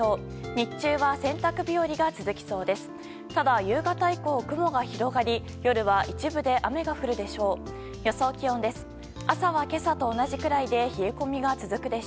日中は洗濯日和が続きそうです。